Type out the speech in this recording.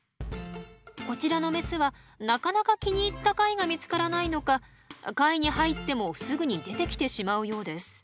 こちらのメスはなかなか気に入った貝が見つからないのか貝に入ってもすぐに出てきてしまうようです。